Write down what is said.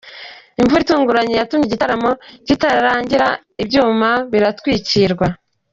Imvura itunguranye yatumye igitaramo kitarangira ibyuma biratwikirwa.